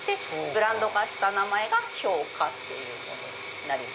ブランド化した名前が氷華っていうものになります。